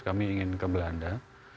kami ingin ke belanda